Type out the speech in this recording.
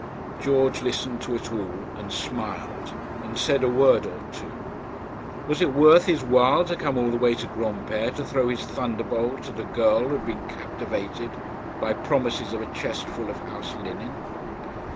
George listened to it all, and smiled, and said a word or two was it worth his while to come all the way to Granpere to throw his thunderbolt at a girl who had been captivated by promises of a chest full of house linen!